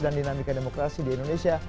dan dinamika demokrasi di indonesia